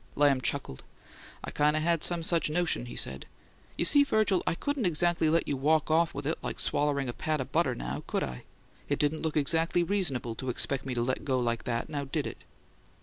Lamb chuckled. "I kind of had some such notion," he said. "You see, Virgil, I couldn't exactly let you walk off with it like swallering a pat o' butter, now, could I? It didn't look exactly reasonable to expect me to let go like that, now, did it?"